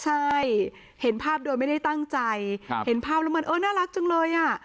ใช่เห็นภาพโดยไม่ได้ตั้งใจเห็นภาพแล้วมันเออน่ารักจังเลยอ่ะ